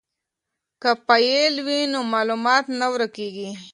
که فایل وي نو معلومات نه ورکیږي.